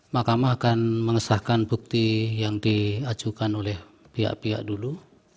mahkamah akan mengesahkan bukti yang diajukan oleh pihak pihak dulu